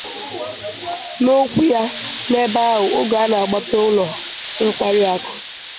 N'okwu ya n'ebe ahụ oge ọ na-agbape ụlọ nkwariakụ